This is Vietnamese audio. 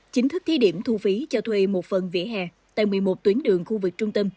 chính thức thi điểm thu phí cho thuê một phần vỉa hè tại một mươi một tuyến đường khu vực trung tâm